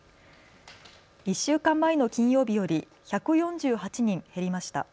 １週間前の金曜日より１４８人減りました。